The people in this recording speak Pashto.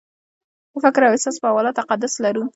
د فکر او احساس په حواله تقدس لرلو